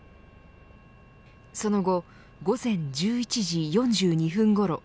その後、午前１１時４２分ごろ